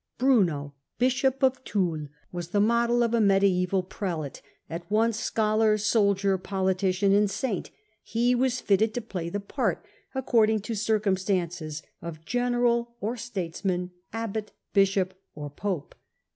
.^ Bruno, bishop of Toul, was the model of a medisBval prelate : at once scholar, soldier, politician, and saint, Early life of ^®^^ fitted to play the part, according ^^^^ to circumstances, of general or statesman, abbot, bishop, or pope.